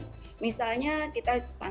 kita tuh masih banyak pekerjaan lain